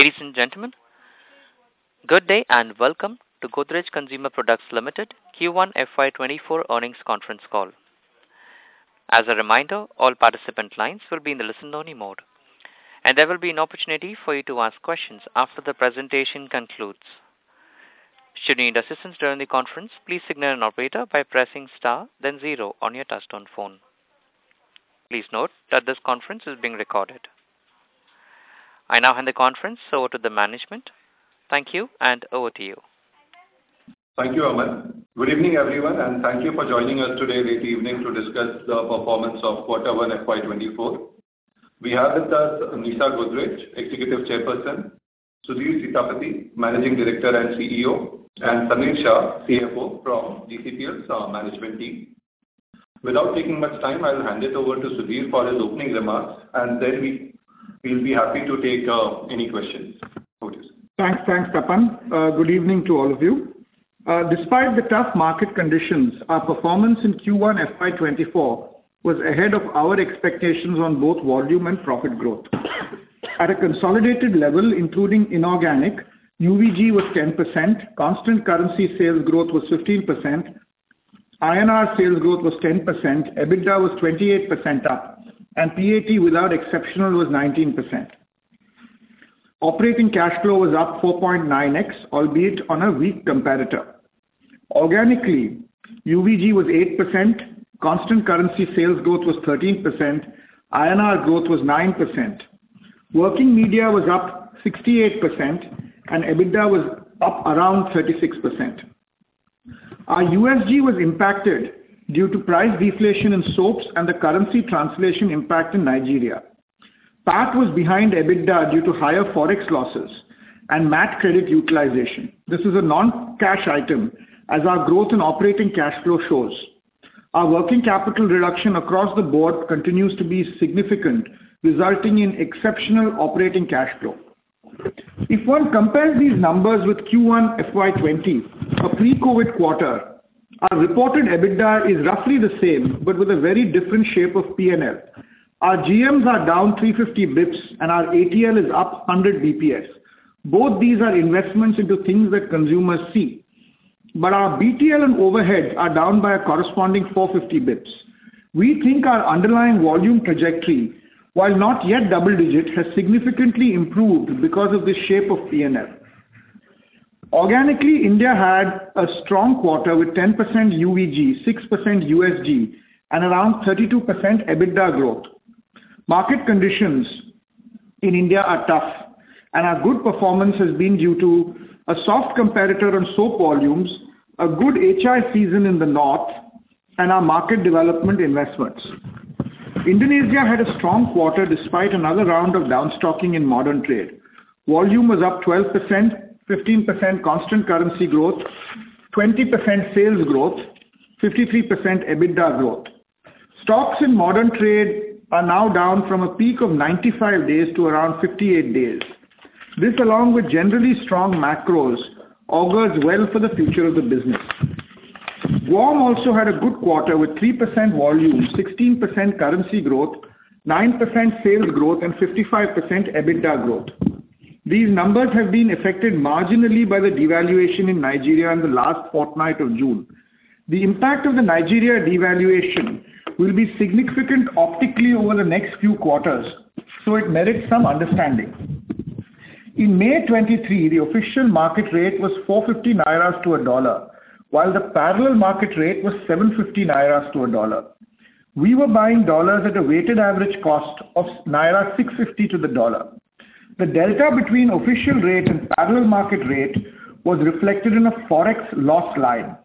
Ladies and gentlemen, good day, and welcome to Godrej Consumer Products Limited Q1 FY 2024 earnings conference call. As a reminder, all participant lines will be in the listen-only mode, and there will be an opportunity for you to ask questions after the presentation concludes. Should you need assistance during the conference, please signal an operator by pressing Star, then zero on your touch-tone phone. Please note that this conference is being recorded. I now hand the conference over to the management. Thank you, and over to you. Thank you, Aman. Good evening, everyone, and thank you for joining us today late evening to discuss the performance of Q1 FY 2024. We have with us Nisha Godrej, Executive Chairperson; Sudhir Sitapati, Managing Director and CEO; and Sameer Shah, CFO from GCPL's management team. Without taking much time, I'll hand it over to Sudhir for his opening remarks, and then we, we'll be happy to take any questions. Over to you. Thanks. Thanks, Aman. Good evening to all of you. Despite the tough market conditions, our performance in Q1 FY 2024 was ahead of our expectations on both volume and profit growth. At a consolidated level, including inorganic, UVG was 10%, constant currency sales growth was 15%, INR sales growth was 10%, EBITDA was 28% up, and PAT without exceptional was 19%. Operating cash flow was up four point nine times, albeit on a weak comparator. Organically, UVG was 8%, constant currency sales growth was 13%, INR growth was 9%. Working media was up 68% and EBITDA was up around 36%. Our USG was impacted due to price deflation in soaps and the currency translation impact in Nigeria. PAT was behind EBITDA due to higher Forex losses and MAT credit utilization. This is a non-cash item, as our growth in operating cash flow shows. Our working capital reduction across the board continues to be significant, resulting in exceptional operating cash flow. If one compares these numbers with Q1 FY 2020, a pre-COVID quarter, our reported EBITDA is roughly the same, but with a very different shape of P&L. Our GMs are down 350 bps, and our ATL is up 100 bps. Both these are investments into things that consumers see, but our BTL and overhead are down by a corresponding 450 bps. We think our underlying volume trajectory, while not yet double digit, has significantly improved because of the shape of P&L. Organically, India had a strong quarter with 10% UVG, 6% USG, and around 32% EBITDA growth. Market conditions in India are tough, and our good performance has been due to a soft competitor on soap volumes, a good HI season in the north, and our market development investments. Indonesia had a strong quarter, despite another round of downstocking in modern trade. Volume was up 12%, 15% constant currency growth, 20% sales growth, 53% EBITDA growth. Stocks in modern trade are now down from a peak of 95 days to around 58 days. This, along with generally strong macros, augurs well for the future of the business. GAUM also had a good quarter, with 3% volume, 16% currency growth, 9% sales growth, and 55% EBITDA growth. These numbers have been affected marginally by the devaluation in Nigeria in the last fortnight of June. The impact of the Nigeria devaluation will be significant optically over the next few quarters, it merits some understanding. In May 2023, the official market rate was 450 naira to $1, while the parallel market rate was 750 naira to $1. We were buying dollars at a weighted average cost of naira 650 to $1. The delta between official rate and parallel market rate was reflected in a Forex loss line.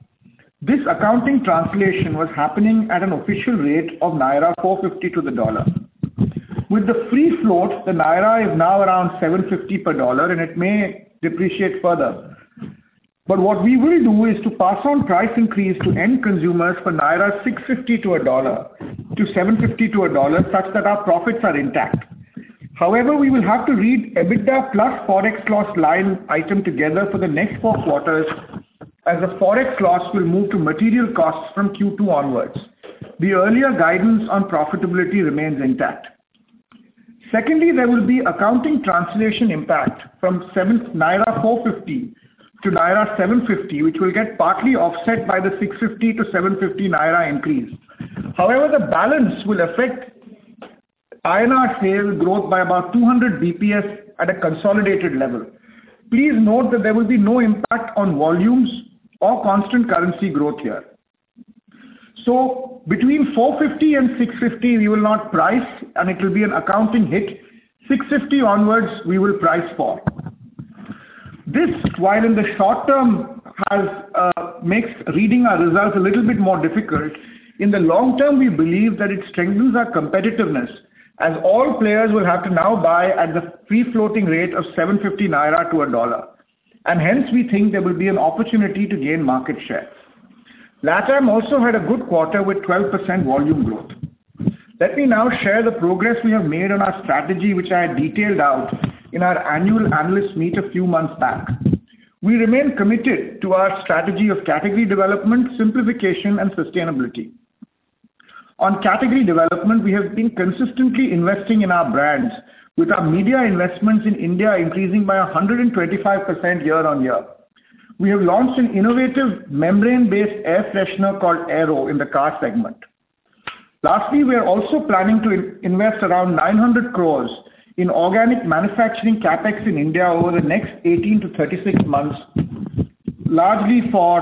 This accounting translation was happening at an official rate of naira 450 to $1. With the free float, the naira is now around NGN 750 per $1, it may depreciate further. What we will do is to pass on price increase to end consumers for naira 650 to $1, to NGN 750 to $1, such that our profits are intact. We will have to read EBITDA plus Forex loss line item together for the next four quarters, as the Forex loss will move to material costs from Q2 onwards. The earlier guidance on profitability remains intact. Secondly, there will be accounting translation impact from 450 to naira 750, which will get partly offset by the 650-750 naira increase. The balance will affect INR sales growth by about 200 bps at a consolidated level. Please note that there will be no impact on volumes or constant currency growth here. Between 450 and 650, we will not price, and it will be an accounting hit. 650 onwards, we will price for. This, while in the short term, has makes reading our results a little bit more difficult, in the long term, we believe that it strengthens our competitiveness, as all players will have to now buy at the free floating rate of 750 Naira to a dollar. Hence, we think there will be an opportunity to gain market share. Latam also had a good quarter with 12% volume growth. Let me now share the progress we have made on our strategy, which I had detailed out in our annual analyst meet a few months back. We remain committed to our strategy of category development, simplification, and sustainability. On category development, we have been consistently investing in our brands, with our media investments in India increasing by 125% year-on-year. We have launched an innovative membrane-based air freshener called aer o in the car segment. Lastly, we are also planning to in-invest around 900 crore in organic manufacturing CapEx in India over the next 18-36 months, largely for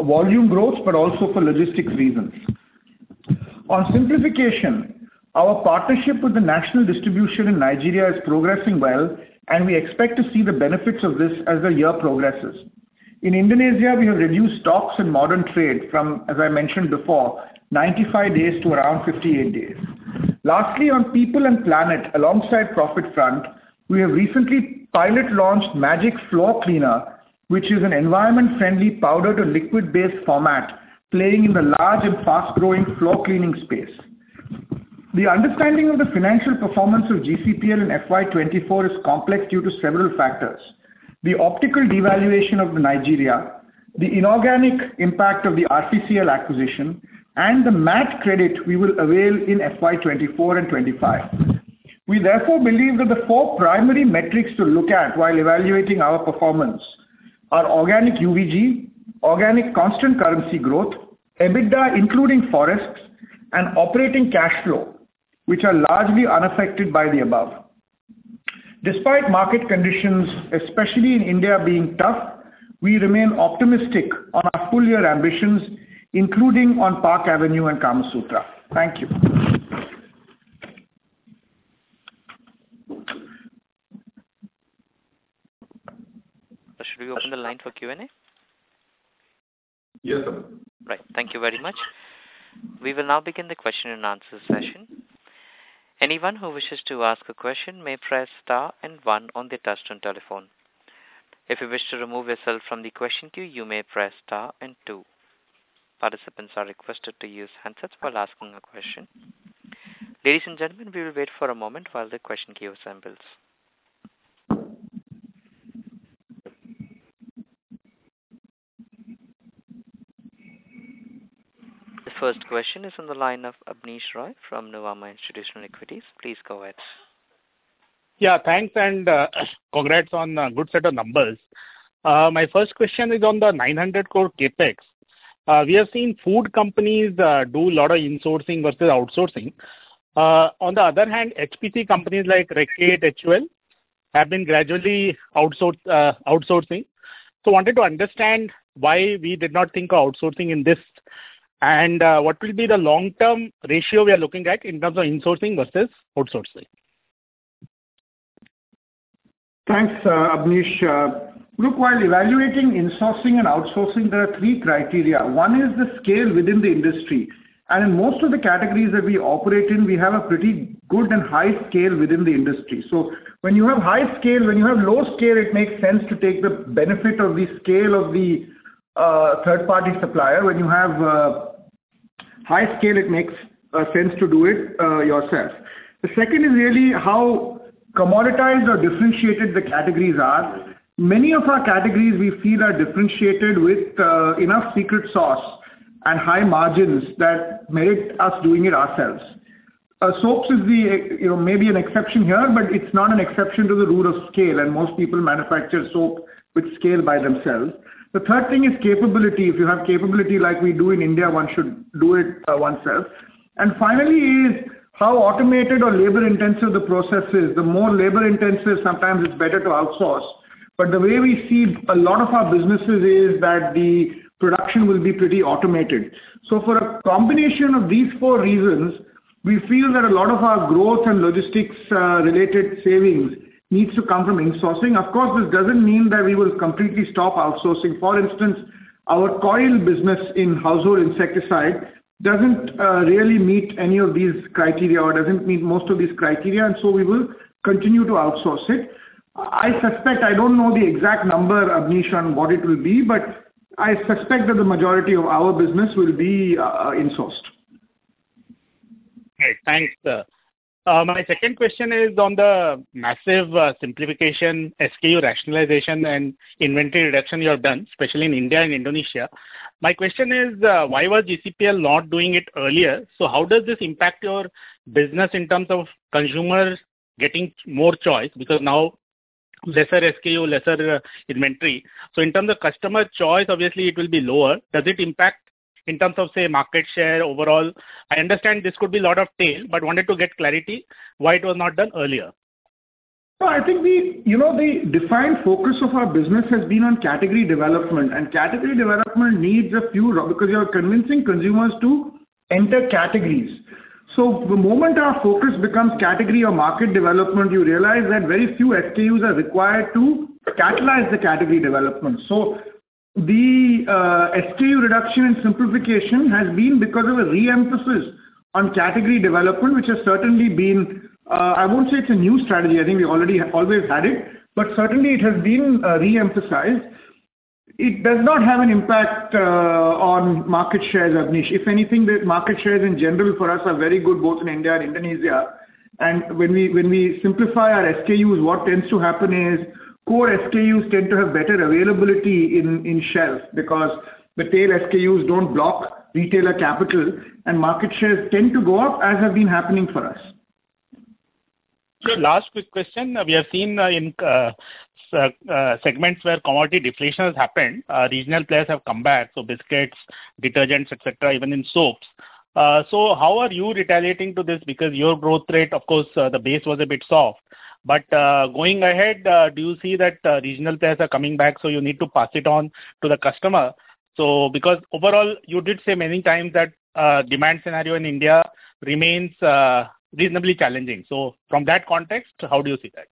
volume growth, but also for logistics reasons. On simplification, our partnership with the national distribution in Nigeria is progressing well, and we expect to see the benefits of this as the year progresses. In Indonesia, we have reduced stocks and modern trade from, as I mentioned before, 95 days to around 58 days. Lastly, on people and planet, alongside profit front, we have recently pilot-launched Magic Floor Cleaner, which is an environment-friendly powder-to-liquid-based format, playing in the large and fast-growing floor cleaning space. The understanding of the financial performance of GCPL in FY 2024 is complex due to several factors: the optical devaluation of Nigeria, the inorganic impact of the RCCL acquisition, and the MAT credit we will avail in FY 2024 and 2025. We therefore believe that the four primary metrics to look at while evaluating our performance are organic UVG, organic constant currency growth, EBITDA, including Forex and operating cash flow, which are largely unaffected by the above. Despite market conditions, especially in India, being tough, we remain optimistic on our full year ambitions, including on Park Avenue and Kamasutra. Thank you. Should we open the line for Q&A? Yes, sir. Right. Thank you very much. We will now begin the question and answer session. Anyone who wishes to ask a question may press star and one on their touchtone telephone. If you wish to remove yourself from the question queue, you may press star and two. Participants are requested to use handsets while asking a question. Ladies and gentlemen, we will wait for a moment while the question queue assembles. The first question is on the line of Abneesh Roy from Nuvama Institutional Equities. Please go ahead. Yeah, thanks, and congrats on a good set of numbers. My first question is on the 900 crore CapEx. We have seen food companies do a lot of insourcing versus outsourcing. On the other hand, HPC companies like Reckitt, HUL, have been gradually outsource outsourcing. Wanted to understand why we did not think of outsourcing in this, and what will be the long-term ratio we are looking at in terms of insourcing versus outsourcing? Thanks, Abneesh. Look, while evaluating insourcing and outsourcing, there are three criteria. One is the scale within the industry, and in most of the categories that we operate in, we have a pretty good and high scale within the industry. When you have high scale-- when you have low scale, it makes sense to take the benefit of the scale of the third-party supplier. When you have high scale, it makes sense to do it yourself. The second is really how commoditized or differentiated the categories are. Many of our categories, we feel, are differentiated with enough secret sauce and high margins that merit us doing it ourselves. Soaps is the, you know, maybe an exception here, but it's not an exception to the rule of scale, and most people manufacture soap with scale by themselves. The third thing is capability. If you have capability like we do in India, one should do it oneself. Finally, is how automated or labor-intensive the process is. The more labor-intensive, sometimes it's better to outsource, but the way we see a lot of our businesses is that the production will be pretty automated. For a combination of these four reasons, we feel that a lot of our growth and logistics related savings needs to come from insourcing. Of course, this doesn't mean that we will completely stop outsourcing. For instance, our coil business in household insecticide doesn't really meet any of these criteria or doesn't meet most of these criteria, and so we will continue to outsource it. I suspect I don't know the exact number, Abnish, on what it will be, but I suspect that the majority of our business will be insourced. Great! Thanks, sir. My second question is on the massive, simplification, SKU rationalization, and inventory reduction you have done, especially in India and Indonesia. My question is, why was GCPL not doing it earlier? How does this impact your business in terms of consumers getting more choice? Because now lesser SKU, lesser inventory, so in terms of customer choice, obviously it will be lower. Does it impact in terms of, say, market share overall? I understand this could be a lot of tail, but wanted to get clarity why it was not done earlier. I think the, you know, the defined focus of our business has been on category development, and category development needs a few, because you are convincing consumers to enter categories. The SKU reduction and simplification has been because of a re-emphasis on category development, which has certainly been, I won't say it's a new strategy, I think we already always had it, but certainly, it has been re-emphasized. It does not have an impact on market shares, Abnish. If anything, the market shares in general for us are very good, both in India and Indonesia. When we, when we simplify our SKUs, what tends to happen is core SKUs tend to have better availability in, in shelves, because the tail SKUs don't block retailer capital, and market shares tend to go up, as have been happening for us. Last quick question. We have seen in segments where commodity deflation has happened, regional players have come back, so biscuits, detergents, et cetera, even in soaps. How are you retaliating to this? Because your growth rate, of course, the base was a bit soft, but going ahead, do you see that regional players are coming back, so you need to pass it on to the customer? Because overall, you did say many times that demand scenario in India remains reasonably challenging. From that context, how do you see that?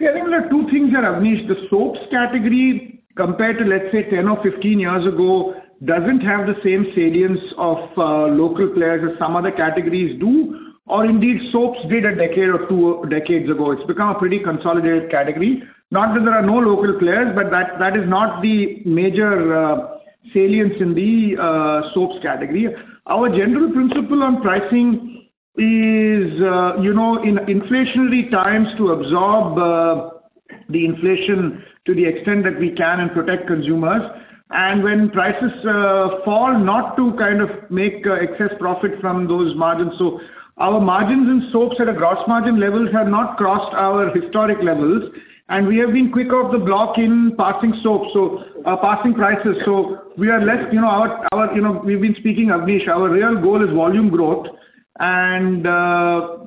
Yeah, I think there are two things here Abneesh. The soaps category, compared to, let's say, 10 or 15 years ago, doesn't have the same salience of local players as some other categories do, or indeed, soaps did a decade or two decades ago. It's become a pretty consolidated category. Not that there are no local players, but that, that is not the major salience in the soaps category. Our general principle on pricing is, you know, in inflationary times, to absorb the inflation to the extent that we can and protect consumers, and when prices fall, not to kind of make excess profit from those margins. Our margins in soaps at a gross margin level have not crossed our historic levels, and we have been quick off the block in passing soap, passing prices. We are less, you know, our, our, you know, we've been speaking, Abneesh, our real goal is volume growth, and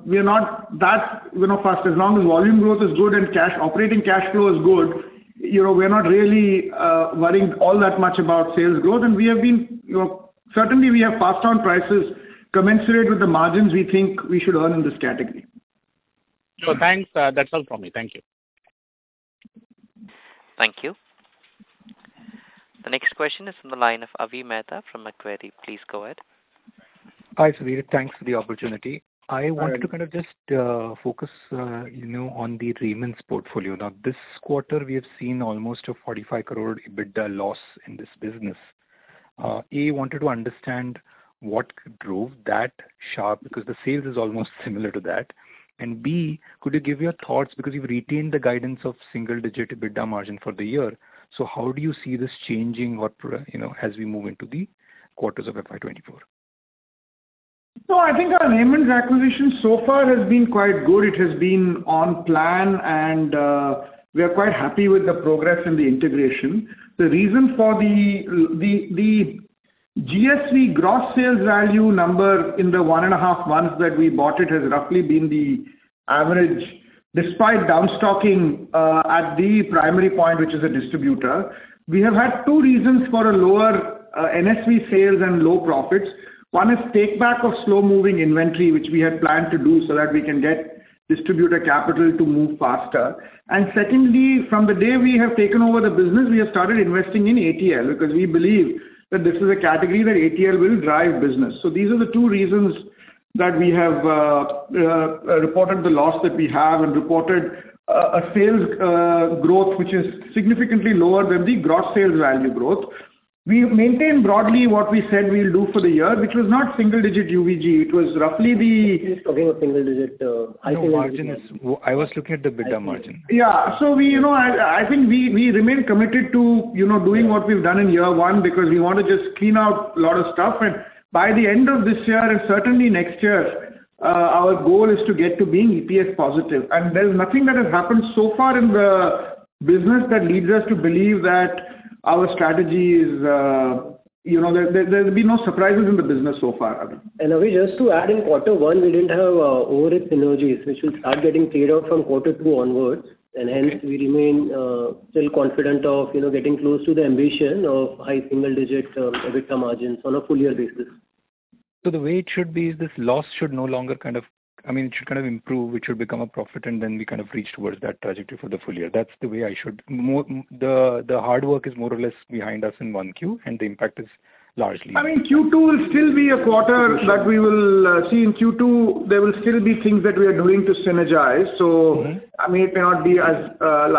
we are not that, you know, fast. As long as volume growth is good and cash, operating cash flow is good, you know, we're not really worrying all that much about sales growth, and we have been, you know. Certainly, we have passed on prices commensurate with the margins we think we should earn in this category. Thanks. That's all from me. Thank you. Thank you. The next question is from the line of Avi Mehta from Macquarie. Please go ahead. Hi, Sudhir. Thanks for the opportunity. Hi. I wanted to kind of just focus, you know, on the Raymond portfolio. Now, this quarter, we have seen almost a 45 crore EBITDA loss in this business. A, wanted to understand what drove that sharp, because the sales is almost similar to that. B, could you give your thoughts, because you've retained the guidance of single-digit EBITDA margin for the year, so how do you see this changing what, you know, as we move into the quarters of FY 2024? I think our Raymond acquisition so far has been quite good. It has been on plan, and we are quite happy with the progress in the integration. The reason for the GSV, gross sales value number in the one and a half months that we bought it, has roughly been the average, despite downstocking at the primary point, which is a distributor. We have had two reasons for a lower NSV sales and low profits. One is take-back of slow-moving inventory, which we had planned to do, so that we can get distributor capital to move faster. Secondly, from the day we have taken over the business, we have started investing in ATL, because we believe that this is a category that ATL will drive business. These are the two reasons that we have reported the loss that we have and reported a sales growth, which is significantly lower than the gross sales value growth. We maintain broadly what we said we'll do for the year, which was not single-digit UVG, it was roughly the- He's talking of single digit, EBITDA. No, margin. I was looking at the EBITDA margin. Yeah. We, you know, I, I think we, we remain committed to, you know, doing what we've done in year one, because we want to just clean out a lot of stuff. By the end of this year, and certainly next year, our goal is to get to being EPS positive. There's nothing that has happened so far in the business that leads us to believe that our strategy is... You know, there, there's been no surprises in the business so far, Avi. Avi, just to add, in quarter one, we didn't have over synergies, which will start getting cleared out from quarter two onwards, and hence we remain still confident of, you know, getting close to the ambition of high single digit EBITDA margins on a full year basis. The way it should be, is this loss should no longer kind of, I mean, it should kind of improve, it should become a profit, and then we kind of reach towards that trajectory for the full year. That's the way I should-- More, the hard work is more or less behind us in Q1, and the impact is largely- I mean, Q2 will still be a quarter that we will see. In Q2, there will still be things that we are doing to synergize. Mm-hmm. I mean, it may not be as,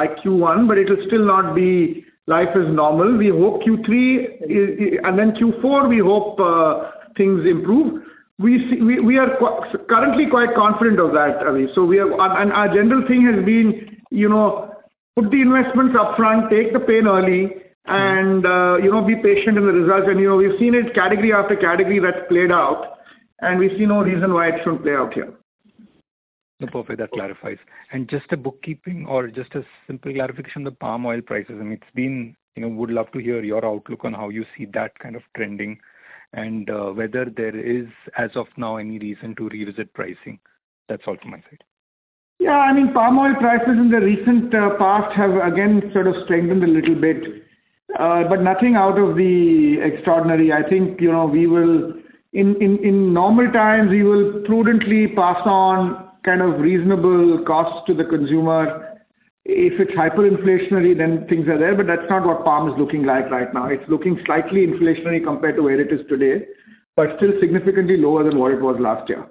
like Q1, but it will still not be life is normal. We hope Q3, and then Q4, we hope, things improve. We see, we, we are currently quite confident of that, Avi. We have... Our general thing has been, you know, put the investments up front, take the pain early- Mm. you know, be patient in the results. you know, we've seen it category after category, that's played out, and we see no reason why it shouldn't play out here. Perfect, that clarifies. Just a bookkeeping or just a simple clarification, the palm oil prices, I mean, it's been, you know, would love to hear your outlook on how you see that kind of trending, and whether there is, as of now, any reason to revisit pricing. That's all to my side. Yeah, I mean, palm oil prices in the recent past have again, sort of strengthened a little bit, but nothing out of the extraordinary. I think, you know, we will In, in, in normal times, we will prudently pass on kind of reasonable costs to the consumer. If it's hyperinflationary, then things are there, but that's not what palm is looking like right now. It's looking slightly inflationary compared to where it is today, but still significantly lower than what it was last year.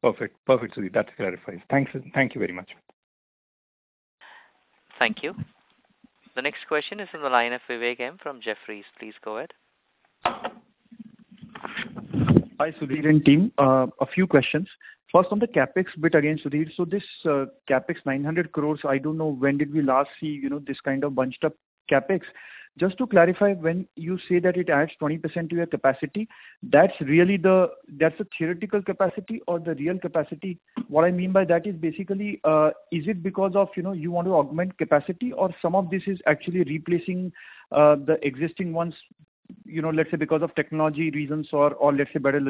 Perfect. Perfect, Sudhir. That clarifies. Thanks. Thank you very much. Thank you. The next question is in the line of Vivek M from Jefferies. Please go ahead. Hi, Sudhir and team. A few questions. First, on the CapEx bit again, Sudhir. This, CapEx 900 crore, I don't know, when did we last see, you know, this kind of bunched up CapEx? Just to clarify, when you say that it adds 20% to your capacity, that's really the, that's a theoretical capacity or the real capacity? What I mean by that is, basically, is it because of, you know, you want to augment capacity, or some of this is actually replacing, the existing ones, you know, let's say, because of technology reasons or, or let's say, better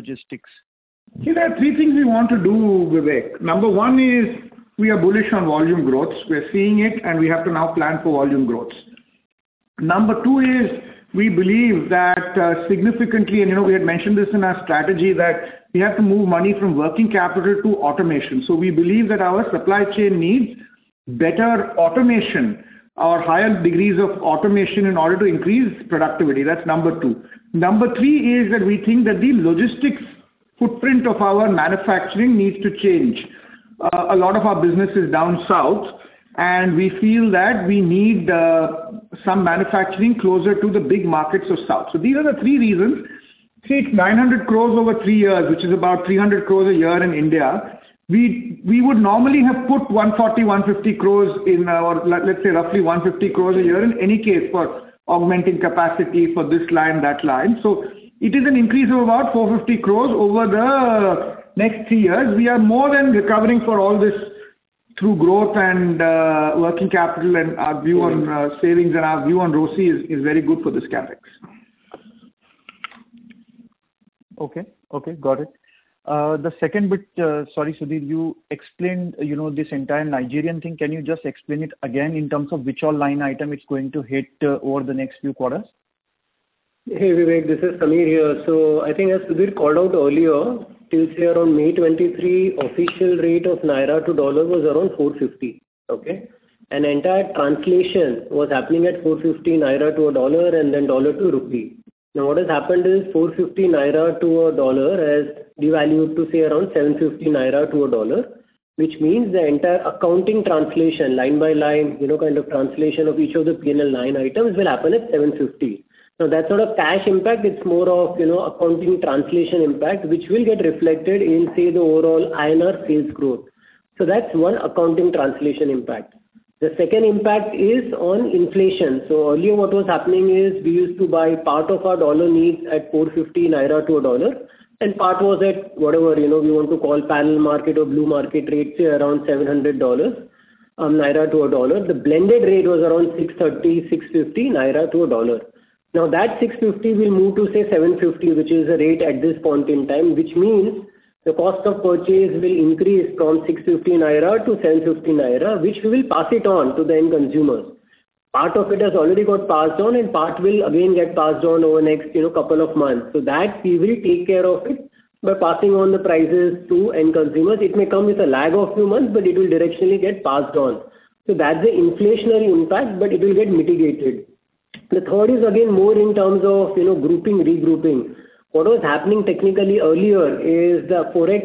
logistics? See, there are three things we want to do, Vivek. Number one is, we are bullish on volume growth. We're seeing it, and we have to now plan for volume growth. Number two is, we believe that significantly, and, you know, we had mentioned this in our strategy, that we have to move money from working capital to automation. We believe that our supply chain needs better automation or higher degrees of automation in order to increase productivity. That's number two. Number three is that we think that the logistics footprint of our manufacturing needs to change. A lot of our business is down south, and we feel that we need some manufacturing closer to the big markets of south. These are the three reasons. Take 900 crore over three years, which is about 300 crore a year in India, we would normally have put 140 crore-150 crore in our, let's say, roughly 150 crore a year in any case, for augmenting capacity for this line, that line. It is an increase of about 450 crore over the next three years. We are more than recovering for all this through growth and working capital, and our view on savings and our view on ROCE is very good for this CapEx. Okay. Okay, got it. The second bit, sorry, Sudhir, you explained, you know, this entire Nigerian thing. Can you just explain it again in terms of which all line item it's going to hit over the next few quarters? Hey, Vivek, this is Sameer here. I think as Sudhir called out earlier, till say around May 2023, official rate of Naira to dollar was around 450, okay? Entire translation was happening at 450 naira to a dollar, and then dollar to rupee. What has happened is 450 naira to a dollar has devalued to, say, around 750 naira to a dollar, which means the entire accounting translation, line by line, you know, kind of translation of each of the P&L line items will happen at 750. That's not a cash impact, it's more of, you know, accounting translation impact, which will get reflected in, say, the overall INR sales growth. That's one, accounting translation impact. The second impact is on inflation. Earlier, what was happening is we used to buy part of our dollar needs at 450 naira to $1, and part was at whatever, you know, we want to call parallel market or blue market rate, say, around $700, NGN to $1. The blended rate was around 630-650 naira to $1. That 650 will move to, say, 750, which is the rate at this point in time, which means the cost of purchase will increase from 650 naira to 750 naira, which we will pass it on to the end consumers. Part of it has already got passed on, and part will again get passed on over the next, you know, couple of months. That, we will take care of it by passing on the prices to end consumers. It may come with a lag of few months, but it will directionally get passed on. That's the inflationary impact, but it will get mitigated. The third is again, more in terms of, you know, grouping, regrouping. What was happening technically earlier is the Forex,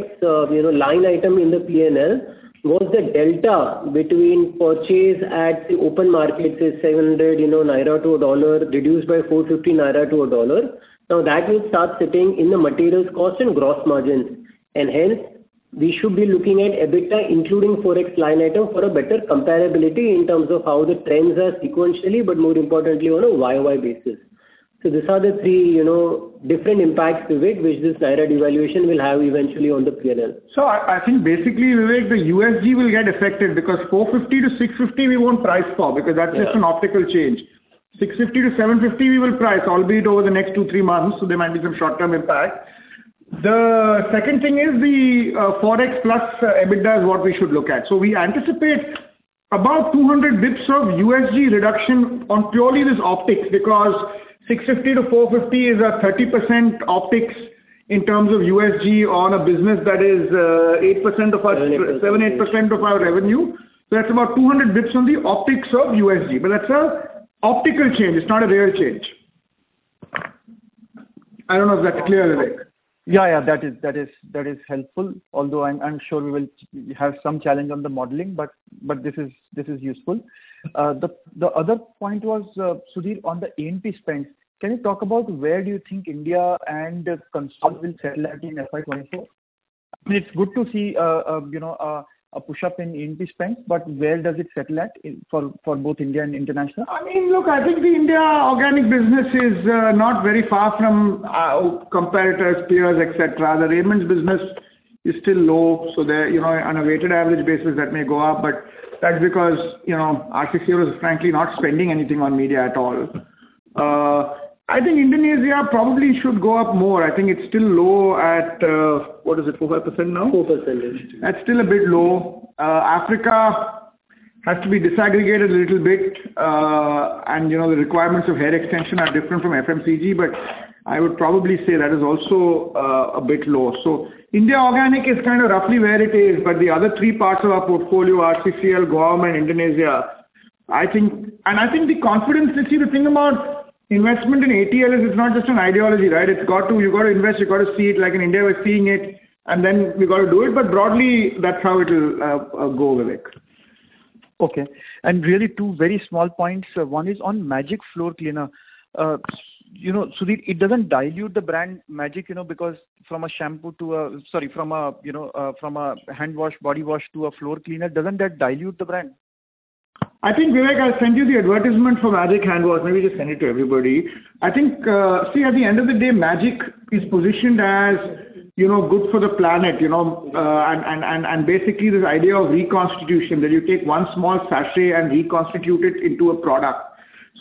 you know, line item in the P&L, was the delta between purchase at the open market, say, 700, you know, NGN to a $1, reduced by 450 naira to a $1. Now, that will start sitting in the materials cost and gross margins, and hence, we should be looking at EBITDA, including Forex line item, for a better comparability in terms of how the trends are sequentially, but more importantly, on a YOY basis. These are the three, you know, different impacts, Vivek, which this NGN devaluation will have eventually on the P&L. I, I think basically, Vivek, the USG will get affected, because 450 to 650, we won't price for, because that's just an optical change. 650 to 750, we will price, albeit over the next two to three months, so there might be some short-term impact. The second thing is the Forex plus EBITDA is what we should look at. We anticipate about 200 basis points of USG reduction on purely this optics, because 650 to 450 is a 30% optics in terms of USG on a business that is 8% of our- 7%, 8%. 7%-8% of our revenue. That's about 200 basis points on the optics of USG. That's a optical change, it's not a real change. I don't know if that's clear, Vivek. Yeah, yeah, that is, that is, that is helpful, although I'm, I'm sure we will have some challenge on the modeling, but, but this is, this is useful. The other point was, Sudhir, on the A&P spend. Can you talk about where do you think India and consol will settle at in FY 2024? I mean, it's good to see, you know, a push-up in A&P spend, but where does it settle at in, for both India and international? Look, I think the India organic business is not very far from competitors, peers, et cetera. The Raymond business is still low, so there, you know, on a weighted average basis, that may go up, but that's because, you know, RCCL is frankly not spending anything on media at all. I think Indonesia probably should go up more. I think it's still low at, what is it, 4% now? 4%. That's still a bit low. Africa has to be disaggregated a little bit, and, you know, the requirements of hair extension are different from FMCG, but I would probably say that is also a bit low. India organic is kind of roughly where it is, but the other three parts of our portfolio, RCCL, GAUM, and Indonesia, I think. I think the confidence, you see, the thing about investment in ATL is it's not just an ideology, right? It's got to, you've got to invest, you've got to see it. Like in India, we're seeing it, and then we've got to do it, but broadly, that's how it'll go, Vivek. Really, two very small points. One is on Magic floor cleaner. You know, Sudhir, it doesn't dilute the brand Magic, you know, because from a shampoo to a— sorry, from a, you know, from a hand wash, body wash to a floor cleaner, doesn't that dilute the brand? I think, Vivek, I'll send you the advertisement for Magic Hand Wash. Maybe just send it to everybody. I think, see, at the end of the day, Magic is positioned as, you know, good for the planet, you know, and, and, and basically, this idea of reconstitution, that you take one small sachet and reconstitute it into a product.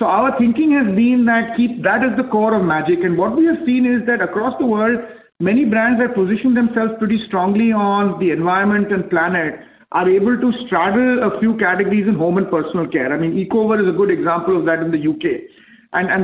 Our thinking has been that keep-- that is the core of Magic, and what we have seen is that across the world, many brands that position themselves pretty strongly on the environment and planet, are able to straddle a few categories in home and personal care. I mean, Ecover is a good example of that in the UK.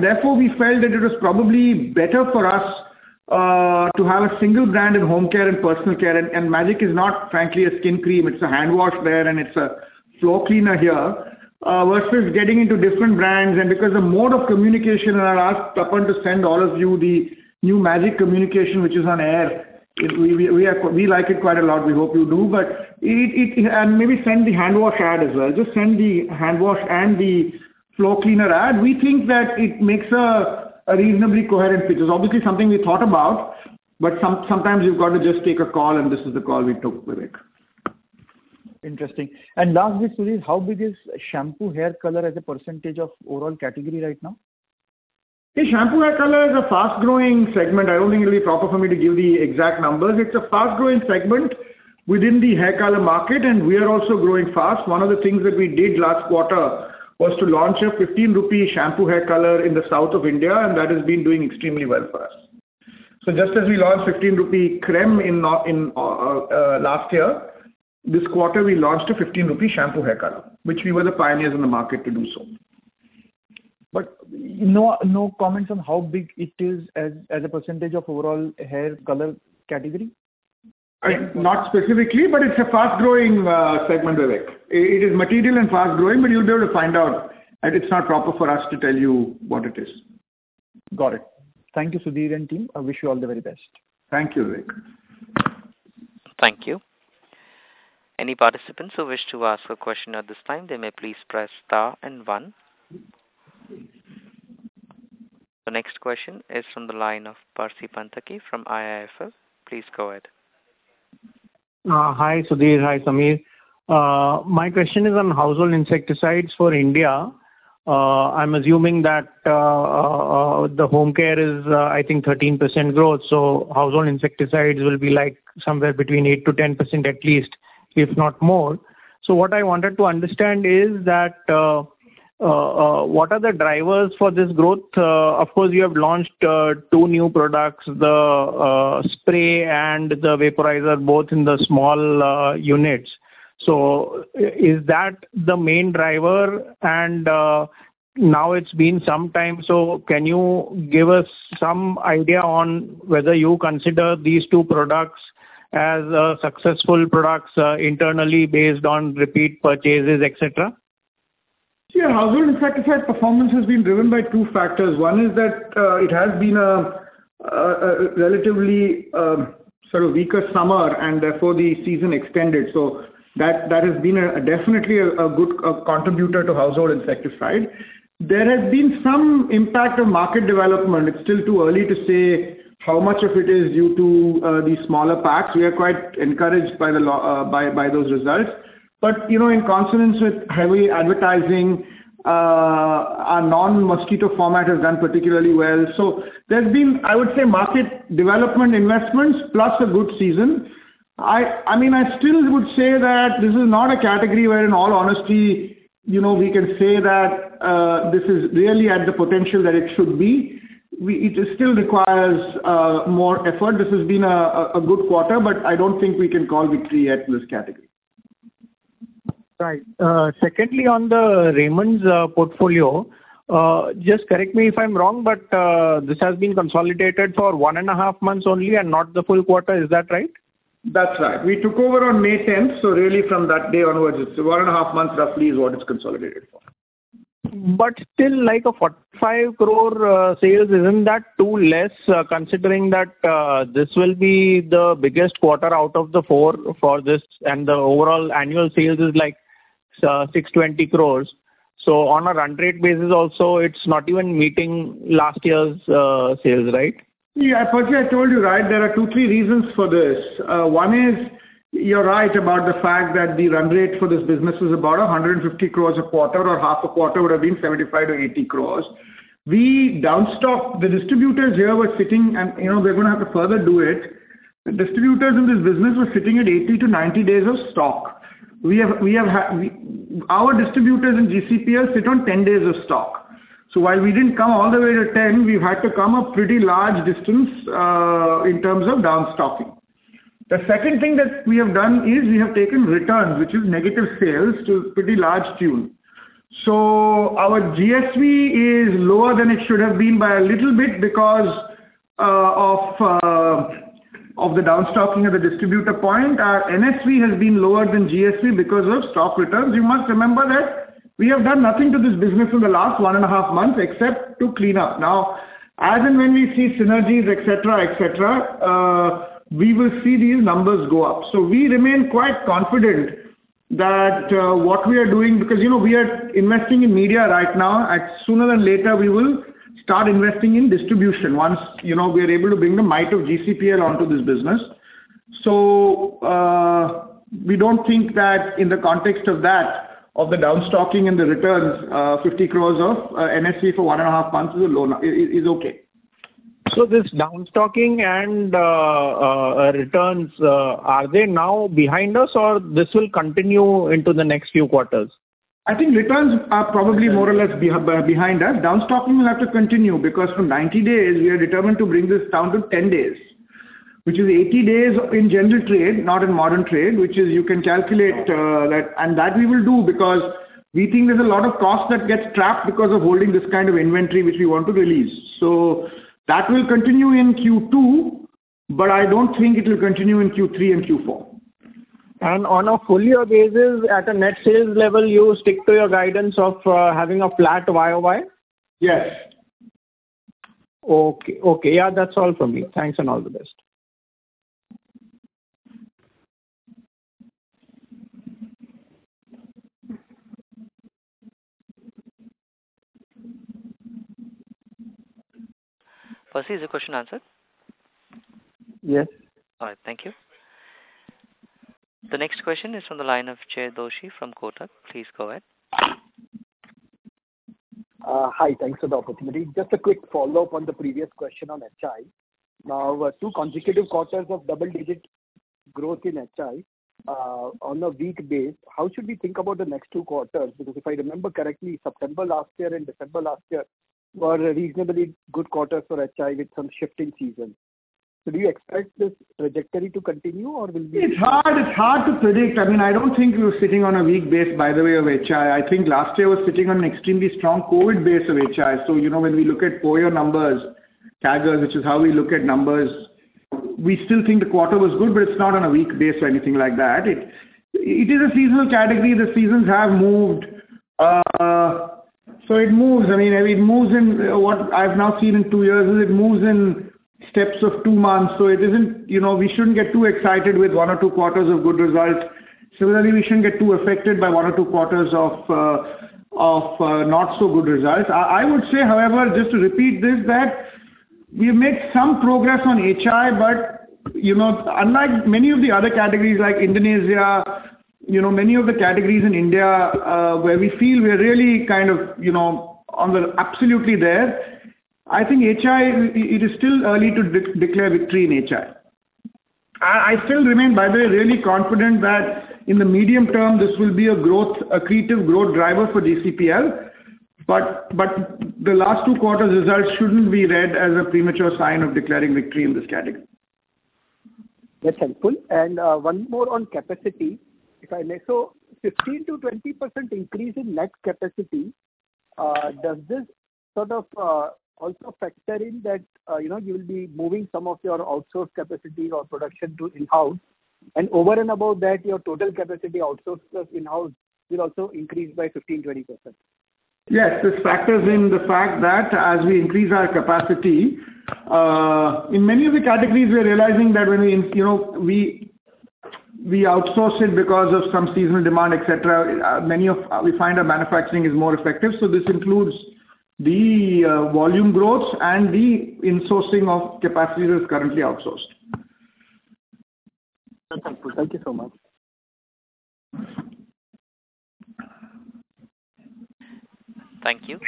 Therefore, we felt that it was probably better for us to have a single brand in home care and personal care, and Magic is not, frankly, a skin cream. It's a hand wash there, and it's a floor cleaner here versus getting into different brands, and because the mode of communication, and I'll ask Tappan to send all of you the new Magic communication, which is on air. We like it quite a lot. We hope you do, but maybe send the hand wash ad as well. Just send the hand wash and the floor cleaner ad. We think that it makes a reasonably coherent pitch. It's obviously something we thought about, but sometimes you've got to just take a call, and this is the call we took, Vivek. lastly, Sudhir Sitapati, how big is shampoo hair color as a % of overall category right now? Shampoo hair color is a fast-growing segment. I don't think it'll be proper for me to give the exact numbers. It's a fast-growing segment within the hair color market, and we are also growing fast. One of the things that we did last quarter was to launch a 15 rupee shampoo hair color in the south of India, and that has been doing extremely well for us. Just as we launched 15 rupee crème in last year, this quarter, we launched a 15 rupee shampoo hair color, which we were the pioneers in the market to do so. No, no comments on how big it is as, as a percentage of overall hair color category? Not specifically, but it's a fast-growing segment, Vivek. It, it is material and fast-growing, but you'll be able to find out, and it's not proper for us to tell you what it is. Got it. Thank you, Sudhir and team. I wish you all the very best. Thank you, Vivek. Thank you. Any participants who wish to ask a question at this time, they may please press Star and One. The next question is from the line of Percy Panthaki from IIFL. Please go ahead. Hi, Sudhir. Hi, Sameer. My question is on household insecticides for India. I'm assuming that the home care is, I think 13% growth, so household insecticides will be like somewhere between 8%-10%, at least, if not more. What I wanted to understand is that, what are the drivers for this growth? Of course, you have launched two new products, the spray and the vaporizer, both in the small units. Is that the main driver? Now it's been some time, so can you give us some idea on whether you consider these two products as successful products, internally based on repeat purchases, et cetera? Sure. Household insecticide performance has been driven by two factors. One is that it has been a relatively sort of weaker summer, and therefore, the season extended. That, that has been a, definitely a good contributor to household insecticide. There has been some impact on market development. It's still too early to say how much of it is due to the smaller packs. We are quite encouraged by those results. You know, in consonance with heavy advertising, our non-mosquito format has done particularly well. There's been, I would say, market development investments, plus a good season. I mean, I still would say that this is not a category where, in all honesty, you know, we can say that this is really at the potential that it should be. It still requires more effort. This has been a good quarter, but I don't think we can call victory yet in this category. Right. Secondly, on the Raymond's portfolio, just correct me if I'm wrong, but this has been consolidated for one point five months only and not the full quarter. Is that right? That's right. We took over on May 10th, so really from that day onwards, it's one point five months, roughly, is what it's consolidated for. Still, like a INR 45 crore sales, isn't that too less, considering that this will be the biggest quarter out of the four for this, and the overall annual sales is like 620 crore? On a run rate basis also, it's not even meeting last year's sales, right? Yeah, firstly, I told you, right, there are two, three reasons for this. 1 is, you're right about the fact that the run rate for this business is about 150 crore a quarter, or point five quarter would have been 75 crore-80 crore. We down stocked. The distributors here were sitting, you know, we're going to have to further do it. The distributors in this business were sitting at 80-90 days of stock. Our distributors in GCPL sit on 10 days of stock. While we didn't come all the way to 10, we've had to come a pretty large distance in terms of down stocking. The second thing that we have done is we have taken returns, which is negative sales, to a pretty large tune. Our GSV is lower than it should have been by a little bit because of the downstocking at the distributor point, our NSV has been lower than GSV because of stock returns. You must remember that we have done nothing to this business in the last one and a half months, except to clean up. As and when we see synergies, et cetera, et cetera, we will see these numbers go up. We remain quite confident that what we are doing, because, you know, we are investing in media right now, and sooner than later, we will start investing in distribution once, you know, we are able to bring the might of GCPL onto this business. We don't think that in the context of that, of the downstocking and the returns, 50 crore of NSV for one point five months is a low-- is, is okay. This downstocking and returns, are they now behind us, or this will continue into the next few quarters? I think returns are probably more or less behind us. Downstocking will have to continue, because from 90 days, we are determined to bring this down to 10 days, which is 80 days in general trade, not in modern trade, which is you can calculate that, and that we will do, because we think there's a lot of cost that gets trapped because of holding this kind of inventory, which we want to release. That will continue in Q2, but I don't think it will continue in Q3 and Q4. On a full-year basis, at a net sales level, you stick to your guidance of having a flat YOY? Yes. Okay. Okay, yeah, that's all for me. Thanks, and all the best. Percy, is the question answered? Yes. All right. Thank you. The next question is from the line of Jay Doshi from Kotak. Please go ahead. Hi, thanks for the opportunity. Just a quick follow-up on the previous question on HI. Now, two consecutive quarters of double-digit growth in HI, on a weak base, how should we think about the next two quarters? If I remember correctly, September last year and December last year were a reasonably good quarter for HI, with some shifting seasons. Do you expect this trajectory to continue, or will we- It's hard, it's hard to predict. I mean, I don't think we were sitting on a weak base, by the way, of HI. I think last year was sitting on an extremely strong COVID base of HI. You know, when we look at POYO numbers, CAGR, which is how we look at numbers, we still think the quarter was good, but it's not on a weak base or anything like that. It is a seasonal category. The seasons have moved, so it moves. I mean, it moves in what I've now seen in two years, is it moves in steps of two months. It isn't, you know, we shouldn't get too excited with one or two quarters of good results. Similarly, we shouldn't get too affected by one or two quarters of, of, not-so-good results. I, I would say, however, just to repeat this, that we've made some progress on HI, but, you know, unlike many of the other categories, like Indonesia, you know, many of the categories in India, where we feel we're really kind of, you know, on the absolutely there, I think HI, it is still early to declare victory in HI. I, I still remain, by the way, really confident that in the medium term, this will be a growth, accretive growth driver for GCPL, but, but the last two quarters results shouldn't be read as a premature sign of declaring victory in this category. That's helpful. One more on capacity, if I may. 15%-20% increase in net capacity, does this sort of, also factor in that, you know, you will be moving some of your outsourced capacity or production to in-house, and over and above that, your total capacity outsourced or in-house will also increase by 15%, 20%? Yes, this factors in the fact that as we increase our capacity, in many of the categories, we are realizing that when we, you know, we, we outsource it because of some seasonal demand, et cetera, We find our manufacturing is more effective, so this includes the volume growth and the insourcing of capacity that is currently outsourced. That's helpful. Thank you so much. Thank you.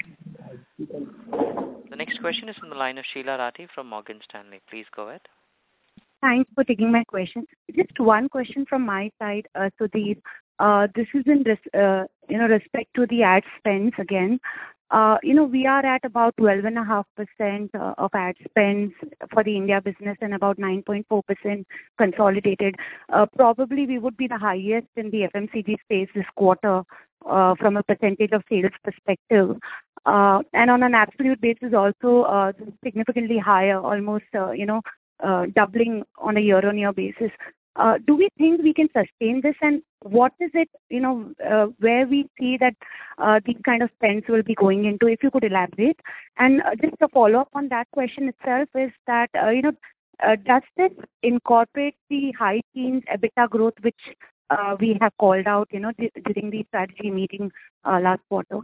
The next question is from the line of Sheela Rathi from Morgan Stanley. Please go ahead. Thanks for taking my question. Just one question from my side, Sudhir. This is in respect to the ad spends again. You know, we are at about 12.5% of ad spends for the India business and about 9.4% consolidated. Probably we would be the highest in the FMCG space this quarter, from a percentage of sales perspective, and on an absolute basis, also, significantly higher, almost, you know, doubling on a year-on-year basis. Do we think we can sustain this, and what is it, you know, where we see that these kind of spends will be going into, if you could elaborate? Just a follow-up on that question itself is that, you know, does this incorporate the high teen EBITDA growth, which, we have called out, you know, during the strategy meeting, last quarter?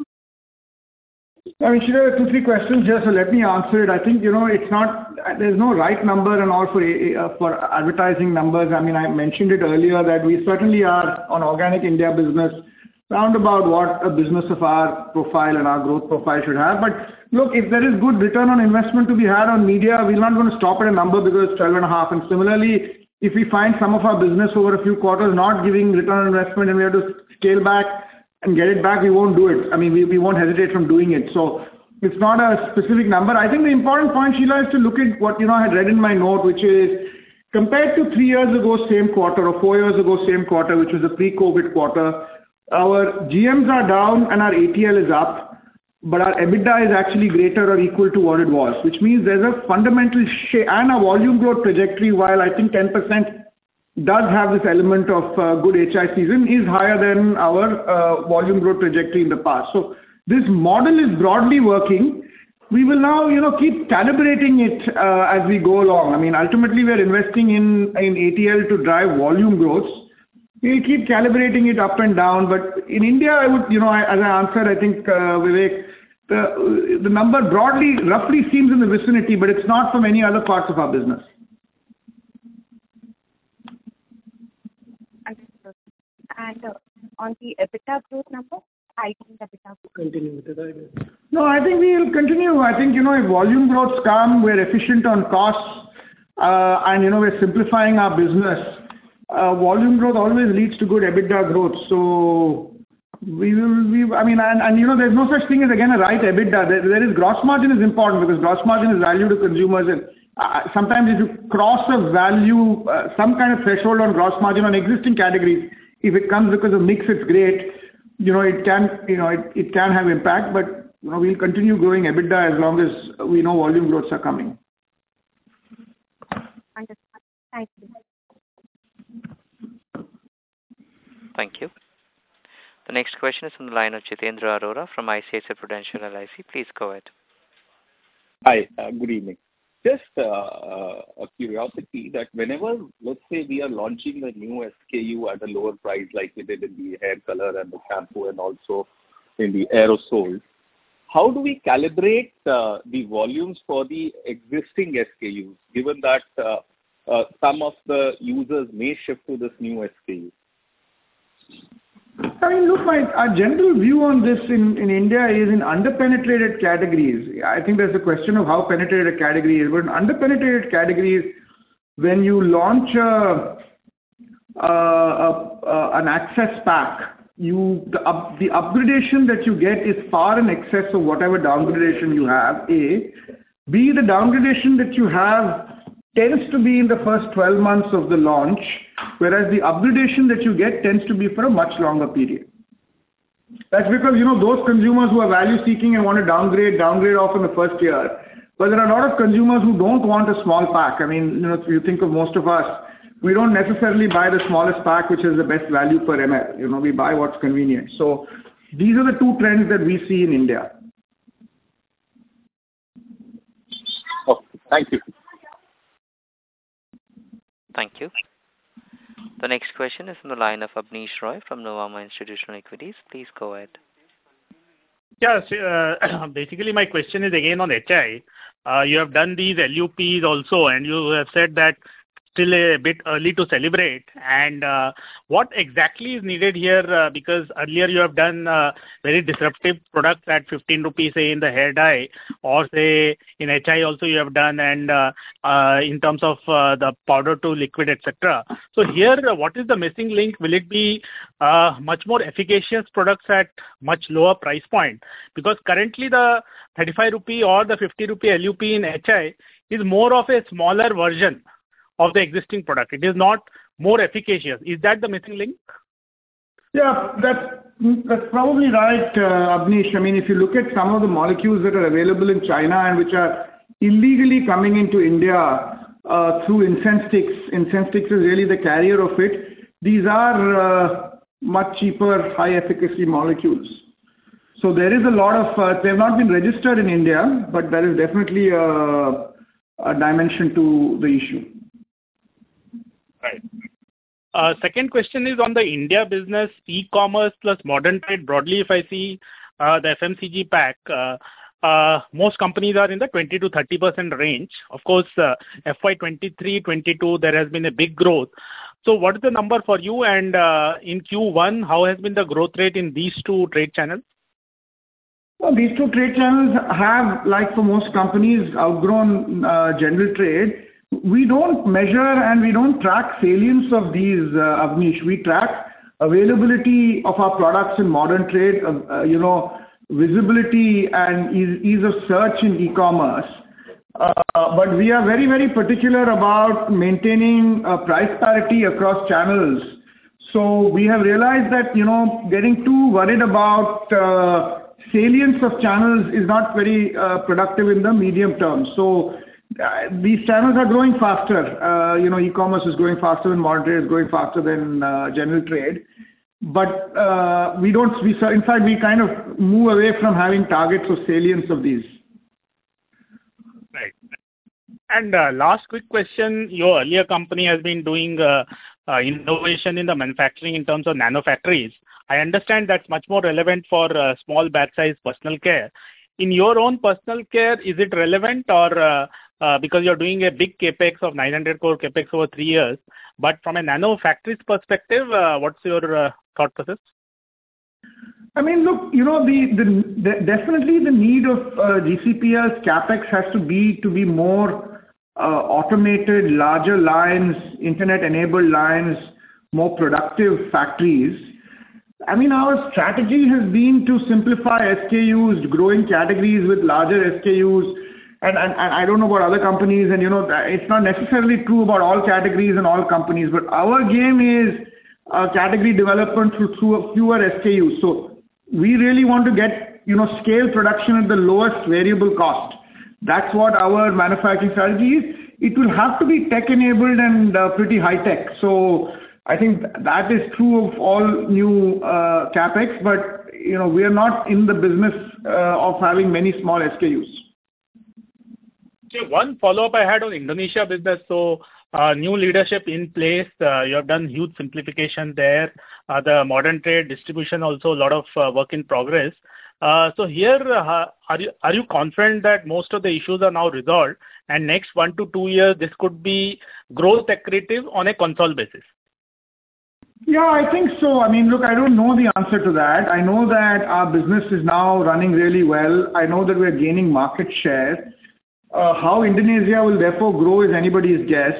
I mean, Sheela, two, three questions here, so let me answer it. I think, you know, it's not, there's no right number and all for advertising numbers. I mean, I mentioned it earlier that we certainly are on organic India business, round about what a business of our profile and our growth profile should have. Look, if there is good return on investment to be had on media, we're not going to stop at a number because it's 12.5. Similarly, if we find some of our business over a few quarters not giving return on investment, and we have to scale back and get it back, we won't do it. I mean, we, we won't hesitate from doing it. So it's not a specific number. I think the important point, Sheela, is to look at what, you know, I had read in my note, which is compared to three years ago, same quarter, or four years ago, same quarter, which was a pre-COVID quarter, our GMs are down and our ATL is up. Our EBITDA is actually greater or equal to what it was, which means there's a fundamental and a volume growth trajectory, while I think 10% does have this element of good HI season, is higher than our volume growth trajectory in the past. This model is broadly working. We will now, you know, keep calibrating it as we go along. I mean, ultimately, we are investing in, in ATL to drive volume growth. We'll keep calibrating it up and down, but in India, I would, you know, as I answered, I think, Vivek, the, the number broadly, roughly seems in the vicinity, but it's not from any other parts of our business. Understood. On the EBITDA growth number, EBITDA will continue with the same? No, I think we will continue. I think, you know, if volume growths come, we're efficient on costs, and, you know, we're simplifying our business. Volume growth always leads to good EBITDA growth. We will, I mean, you know, there's no such thing as, again, a right EBITDA. Gross margin is important because gross margin is value to consumers, and sometimes if you cross a value, some kind of threshold on gross margin on existing categories, if it comes because of mix, it's great. You know, it can, you know, it, it can have impact, but, you know, we'll continue growing EBITDA as long as we know volume growths are coming. Understood. Thank you. Thank you. The next question is from the line of Jitendra Arora from ICICI Prudential LIC. Please go ahead. Hi, good evening. Just, a curiosity that whenever, let's say, we are launching a new SKU at a lower price, like we did in the hair color and the shampoo and also in the aerosol, how do we calibrate, the volumes for the existing SKUs, given that, some of the users may shift to this new SKU? I mean, look, our general view on this in India is in underpenetrated categories. I think there's a question of how penetrated a category is. Underpenetrated categories, when you launch an access pack, you, the upgradation that you get is far in excess of whatever downgradation you have, A. B, the downgradation that you have tends to be in the first 12 months of the launch, whereas the upgradation that you get tends to be for a much longer period. That's because, you know, those consumers who are value-seeking and want to downgrade, downgrade often the first year. There are a lot of consumers who don't want a small pack. I mean, you know, if you think of most of us, we don't necessarily buy the smallest pack, which is the best value per ml. You know, we buy what's convenient. These are the two trends that we see in India. Okay, thank you. Thank you. The next question is from the line of Abneesh Roy from Nuvama Institutional Equities. Please go ahead. Yes, basically, my question is again on HI. You have done these LUPs also, you have said that still a bit early to celebrate. What exactly is needed here? Because earlier you have done very disruptive products at 15 rupees, say, in the hair dye, or say, in HI also you have done, in terms of the powder to liquid, et cetera. Here, what is the missing link? Will it be much more efficacious products at much lower price point? Because currently, the 35 rupee or the 50 rupee LUP in HI is more of a smaller version of the existing product. It is not more efficacious. Is that the missing link? Yeah, that's, that's probably right, Abneesh. I mean, if you look at some of the molecules that are available in China, and which are illegally coming into India, through incense sticks. Incense sticks is really the carrier of it. These are much cheaper, high-efficacy molecules. There is a lot of... They have not been registered in India, but there is definitely a, a dimension to the issue. Right. Second question is on the India business, e-commerce plus modern trade. Broadly, if I see the FMCG pack, most companies are in the 20%-30% range. Of course, FY 2023, 2022, there has been a big growth. What is the number for you, and in Q1, how has been the growth rate in these two trade channels? Well, these two trade channels have, like for most companies, outgrown, general trade. We don't measure and we don't track salience of these, Abneesh. We track availability of our products in modern trade, you know, visibility and ease of search in e-commerce. We are very, very particular about maintaining, price parity across channels. We have realized that, you know, getting too worried about, salience of channels is not very, productive in the medium term. These channels are growing faster. You know, e-commerce is growing faster, and modern trade is growing faster than, general trade. We don't we so in fact, we kind of move away from having targets or salience of these. Right. Last quick question: Your earlier company has been doing, innovation in the manufacturing in terms of nano factories. I understand that's much more relevant for, small batch size personal care. In your own personal care, is it relevant or, because you're doing a big CapEx of 900 crore CapEx over three years, but from a nano factories perspective, what's your, thought process? I mean, look, you know, the, the, the definitely the need of GCPL's CapEx has to be, to be more automated, larger lines, internet-enabled lines, more productive factories. I mean, our strategy has been to simplify SKUs, growing categories with larger SKUs. I don't know about other companies, and, you know, that it's not necessarily true about all categories and all companies, but our game is category development through, through a fewer SKUs. We really want to get, you know, scale production at the lowest variable cost. That's what our manufacturing strategy is. It will have to be tech-enabled and pretty high tech. I think that is true of all new CapEx, but, you know, we are not in the business of having many small SKUs. Okay, one follow-up I had on Indonesia business. New leadership in place, you have done huge simplification there. The modern trade distribution, also a lot of, work in progress. Here, are you, are you confident that most of the issues are now resolved, and next one to two years, this could be growth accretive on a console basis? Yeah, I think so. I mean, look, I don't know the answer to that. I know that our business is now running really well. I know that we are gaining market share. How Indonesia will therefore grow is anybody's guess.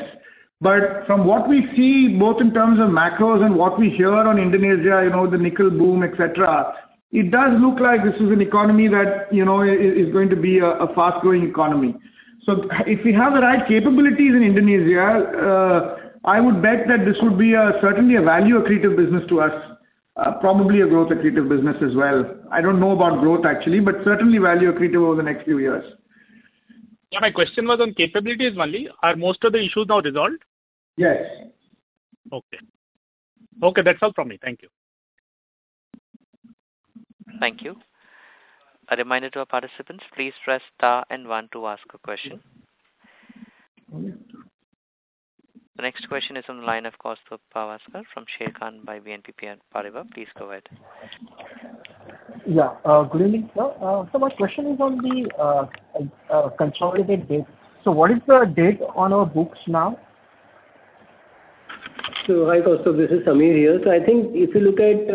From what we see, both in terms of macros and what we hear on Indonesia, you know, the nickel boom, et cetera, it does look like this is an economy that, you know, is, is going to be a, a fast-growing economy. If we have the right capabilities in Indonesia, I would bet that this would be a certainly a value accretive business to us, probably a growth accretive business as well. I don't know about growth, actually, but certainly value accretive over the next few years. Yeah, my question was on capabilities only. Are most of the issues now resolved? Yes. Okay. Okay, that's all from me. Thank you. Thank you. A reminder to our participants, please press star and one to ask a question. The next question is on the line of Kaustubh Pawaskar from Sharekhan by BNP Paribas. Please go ahead. Yeah, good evening, sir. My question is on the, consolidated debt. What is the date on our books now? Hi, Kaustubh, this is Samir here. I think if you look at,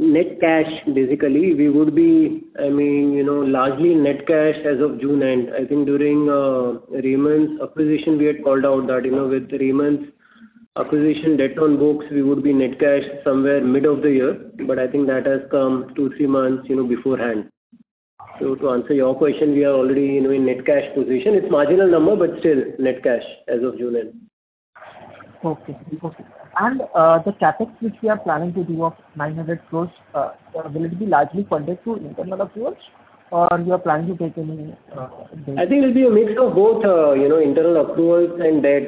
net cash, basically, we would be, I mean, you know, largely net cash as of June end. I think during, Raymond's acquisition, we had called out that, you know, with Raymond's acquisition debt on books, we would be net cash somewhere mid of the year, but I think that has come two to three months, you know, beforehand. To answer your question, we are already in a net cash position. It's marginal number, but still net cash as of June end. Okay. Okay. The CapEx, which we are planning to do of 900 crore, will it be largely funded through internal approach, or you are planning to take any debt? I think it will be a mix of both, you know, internal approvals and debt,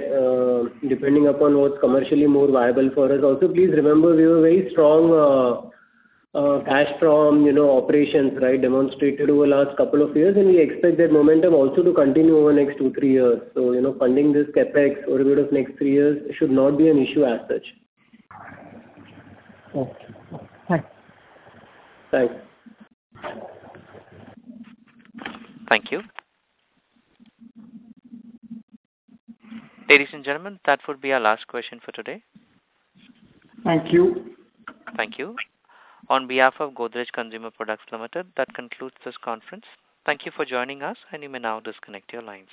depending upon what's commercially more viable for us. Also, please remember, we have a very strong cash from, you know, operations, right, demonstrated over last couple of years, and we expect that momentum also to continue over the next two to three years. You know, funding this CapEx over a period of next three years should not be an issue as such. Okay. Thanks. Thanks. Thank you. Ladies and gentlemen, that would be our last question for today. Thank you. Thank you. On behalf of Godrej Consumer Products Limited, that concludes this conference. Thank you for joining us, and you may now disconnect your lines.